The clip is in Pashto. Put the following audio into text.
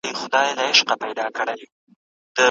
هر انسان د ژوند حق لري.